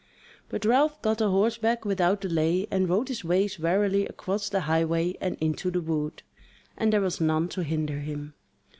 But Ralph got a horseback without delay and rode his ways warily across the highway and into the wood, and there was none to hinder him.